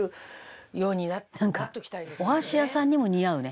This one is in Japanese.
「なんかお箸屋さんにも似合うね」